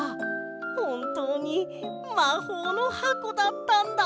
ほんとうにまほうのはこだったんだ！